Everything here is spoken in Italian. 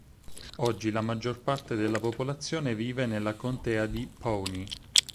Oggi la maggior parte della popolazione vive nella Contea di Pawnee.